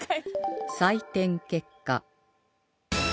採点結果